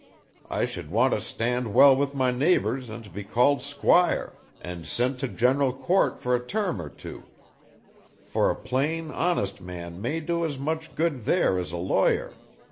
I should want to stand well with my neighbors and be called Squire, and sent to General Court for a term or two; for a plain, honest man may do as much good there as a lawyer.